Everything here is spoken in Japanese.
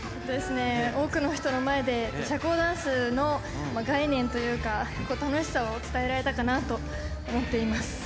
多くの人の前で、社交ダンスの概念というか、楽しさを伝えられたかなと思っています。